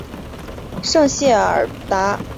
圣谢尔达布扎克。